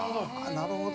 なるほど。